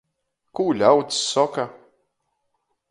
Kū ļauds soka?